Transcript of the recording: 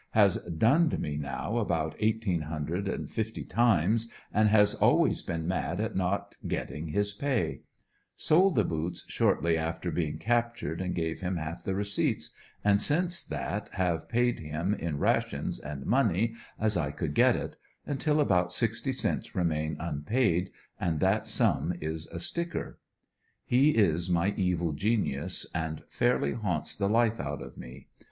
Has dunned me now about 1,850 times, and has always been mad at not getting his pay Sold the boots stortly after being captured and gave him half the receipts, and since that have paid him in rations and money as I could get it, until about sixty cents remain unpaid, and that sum is a sticker He is my evil genius, and fairly haunts the life out of me.